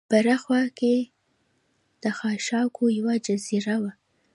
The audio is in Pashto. بره خوا کې د خاشاکو یوه جزیره وه.